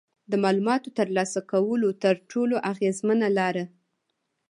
د معلوماتو ترلاسه کولو تر ټولو اغیزمنه لاره